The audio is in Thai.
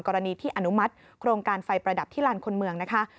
กรณีที่อนุมัติโครงการไฟประดับที่ลานคนเมืองนะคะ